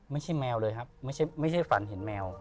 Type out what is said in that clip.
แมวเลยครับไม่ใช่ฝันเห็นแมว